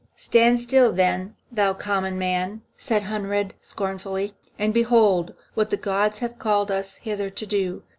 "Stand still, then, thou common man," said Hunrad, scornfully, "and behold what the gods have called us hither to do.